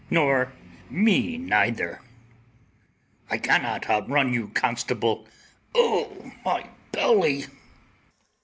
Nor me neither; I cannot out run you, constable. O, my belly!